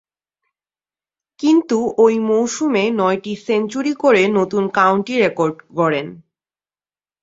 কিন্তু ঐ মৌসুমে নয়টি সেঞ্চুরি করে নতুন কাউন্টি রেকর্ড গড়েন।